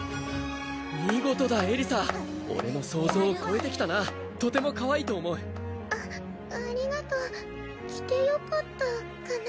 見事だエリサ俺の想像を超えてきたなとてもかわいいと思うあありがとう着てよかったかな？